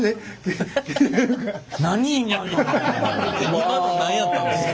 今のなんやったんですか？